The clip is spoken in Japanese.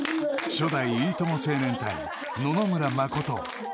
［初代いいとも青年隊野々村真］